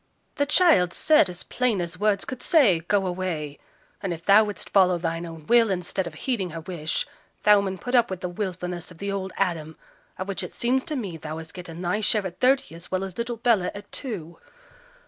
'The child said, as plain as words could say, "go away," and if thou wouldst follow thine own will instead of heeding her wish, thou mun put up with the wilfulness of the old Adam, of which it seems to me thee hast getten thy share at thirty as well as little Bella at two.'